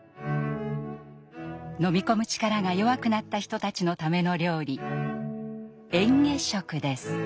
飲み込む力が弱くなった人たちのための料理失礼します。